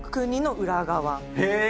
へえ。